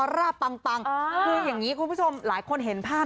ป่างป่างคือยังงี้คุณผู้ชมหลายคนเห็นภาพ